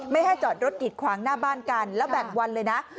ไม่ให้จอดรถกิดขวางหน้าบ้านกันแล้วแบ่งวันเลยนะ